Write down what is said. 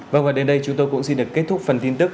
và đến đây chúng tôi cũng xin được kết thúc phần tin tức